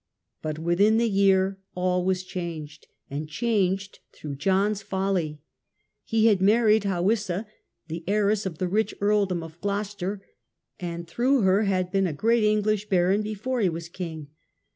But within the year all was changed, and changed through John's folly. He had married Hawisa, the His heiress of the rich earldom of Gloucester, and marriage. through her had been a great English baron before he was king.